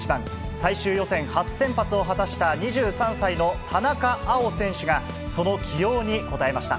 最終予選初先発を果たした２３歳の田中碧選手が、その起用に応えました。